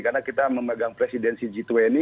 karena kita memegang presidensi g dua puluh